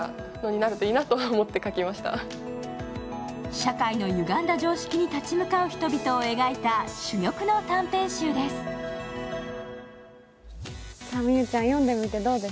社会のゆがんだ常識に立ち向かう人々を描いた珠玉の短編集です。